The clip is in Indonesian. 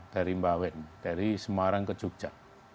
dari mba wen dari semarang ke jogja